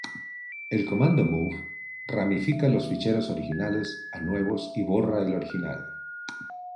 El comando move ramifica los ficheros originales a nuevos y borra el original.